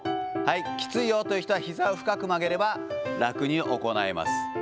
きついよという人は、ひざを深く曲げれば楽に行えます。